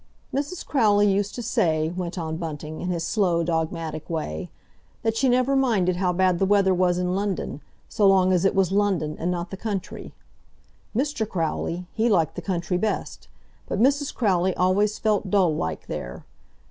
"Mrs. Crowley used to say," went on Bunting, in his slow, dogmatic way, "that she never minded how bad the weather was in London, so long as it was London and not the country. Mr. Crowley, he liked the country best, but Mrs. Crowley always felt dull like there.